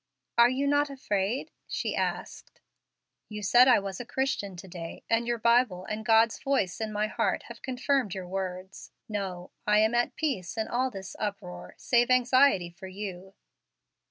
"Are you not afraid?" she asked. "You said I was a Christian to day, and your Bible and God's voice in my heart have confirmed your words. No, I am at peace in all this uproar, save anxiety for you."